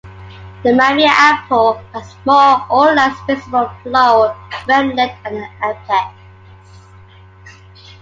The mammee apple has more or less visible floral remnant at the apex.